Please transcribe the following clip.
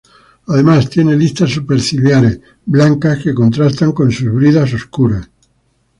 Además tiene listas superciliares blancas que contrastan con sus bridas oscuras.